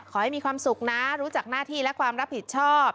ขอให้มีความสุขนะรู้จักหน้าที่และความรับผิดชอบ